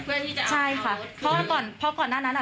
เอาอย่างนี้อ่ะใครค่ะ